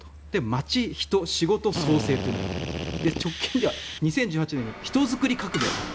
街、人、仕事創生というのをやって直近では２０１８年に人づくり革命と。